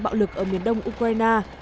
bạo lực ở miền đông ukraine